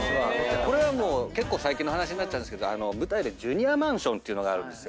これは結構最近の話になっちゃうんですけど舞台でＪｒ．マンションっていうのがあるんですよ。